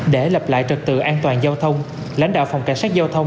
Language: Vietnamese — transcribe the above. để lập lại trật tự an toàn giao thông lãnh đạo phòng cảnh sát giao thông